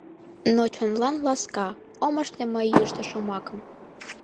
Но чонлан ласка — Ом ашне мый йӱштӧ шомакым.